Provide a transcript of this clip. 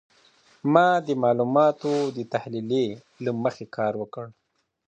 ما د معلوماتو د تحلیلې له مخي کار وکړ.